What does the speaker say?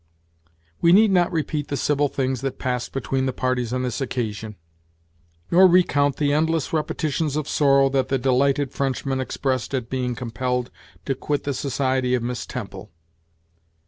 We need not repeat the civil things that passed between the parties on this occasion, nor recount the endless repetitions of sorrow that the delighted Frenchman expressed at being compelled to quit the society of Miss Temple.